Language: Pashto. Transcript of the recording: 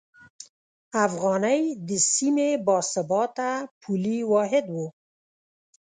افغانۍ د سیمې باثباته پولي واحد و.